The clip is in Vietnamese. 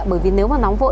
bởi vì nếu mà nóng vội